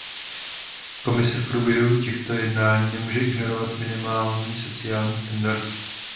Komise v průběhu těchto jednání nemůže ignorovat minimální sociální standardy.